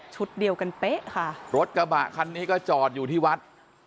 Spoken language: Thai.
เดียวกันเป๊ะค่ะรถกระบะคันนี้ก็จอดอยู่ที่วัด